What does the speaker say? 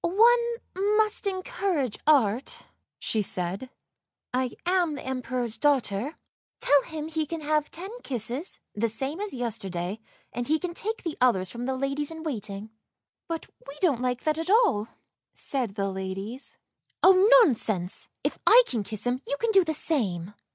" One must encourage art," she said; " I am the Emperor's daughter. Tell him he can have ten kisses, the same as yester day, and he can take the others from the ladies in waiting." " But we don't like that at all," said the ladies. "Oh, nonsense! If I can kiss him you can do the same.